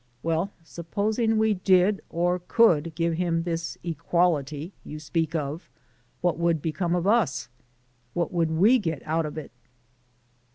"Well, supposing we did or could give him this equality you speak of what would become of us? What would we get out of it?"